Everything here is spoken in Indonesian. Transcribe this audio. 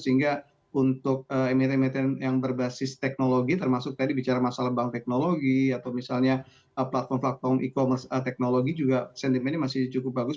sehingga untuk emiten emiten yang berbasis teknologi termasuk tadi bicara masalah bank teknologi atau misalnya platform platform e commerce teknologi juga sentimennya masih cukup bagus